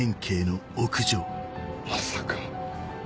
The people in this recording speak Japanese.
まさか。